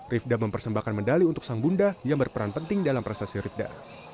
rivda mempersembahkan medali untuk sang bunda yang berperan penting dalam prestasi rivda